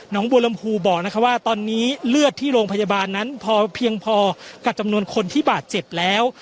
บัวลำพูบอกนะคะว่าตอนนี้เลือดที่โรงพยาบาลนั้นพอเพียงพอกับจำนวนคนที่บาดเจ็บแล้ว